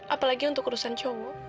apalagi untuk urusan cowok